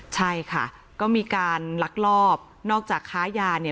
ใช่ค่ะก็มีการลักลอบนอกจากค้ายาเนี่ย